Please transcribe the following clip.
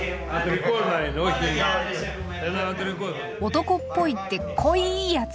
男っぽいって濃いやつ？